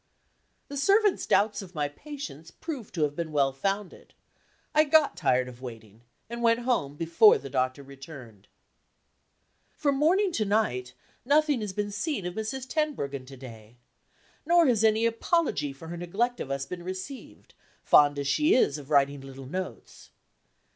The servant's doubts of my patience proved to have been well founded. I got tired of waiting, and went home before the doctor returned. From morning to night, nothing has been seen of Mrs. Tenbruggen to day. Nor has any apology for her neglect of us been received, fond as she is of writing little notes.